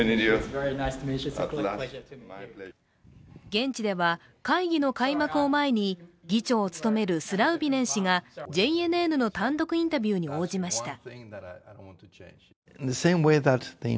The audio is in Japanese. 現地では、会議の開幕を前に議長を務めるスラウビネン氏がＪＮＮの単独インタビューに応じました。